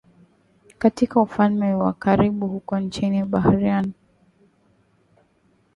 katika ufalme wa karibu huko nchini Bahrain